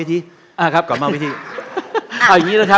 เอาก่อนมาวิธี